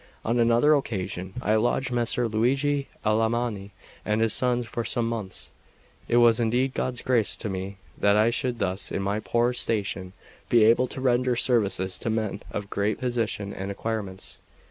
On another occasion I lodged Messer Luigi Alamanni and his sons for some months. It was indeed God's grace to me that I should thus, in my poor station, be able to render services to men of great position and acquirements.